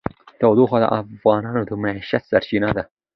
تودوخه د افغانانو د معیشت سرچینه ده.